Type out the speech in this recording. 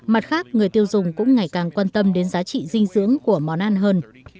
mặt khác người tiêu dùng cũng ngày càng quan tâm đến giá trị dinh dưỡng của món ăn hơn